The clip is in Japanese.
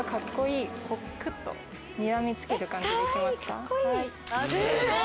クッとにらみつける感じできますか？